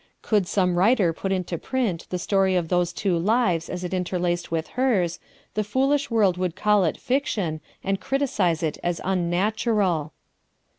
Could some writer put into print the story of those two lives as it interlaced with hers, the foolish world would call it fiction, and criticise it as unnatural.